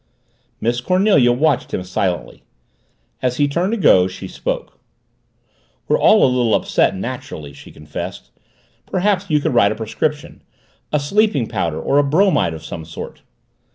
Miss Cornelia watched him silently. As he turned to go, she spoke. "We're all of us a little upset, naturally," she confessed. "Perhaps you could write a prescription a sleeping powder or a bromide of some sort."